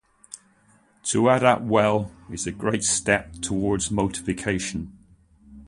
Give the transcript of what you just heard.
To add up well is a great step towards multiplication.